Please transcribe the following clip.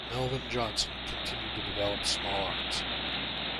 Melvin Johnson continued to develop small arms.